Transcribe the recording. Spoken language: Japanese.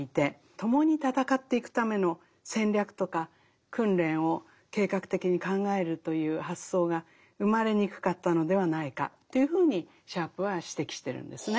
共に戦っていくための戦略とか訓練を計画的に考えるという発想が生まれにくかったのではないかというふうにシャープは指摘してるんですね。